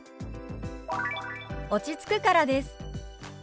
「落ち着くからです」。